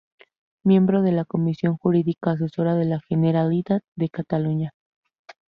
Miembro de la Comisión Jurídica Asesora de la Generalitat de Cataluña.